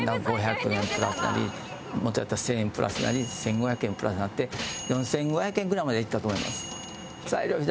プラスになりもっといったら１０００円プラスになり１５００円プラスになって４５００円ぐらいまでいったと思います。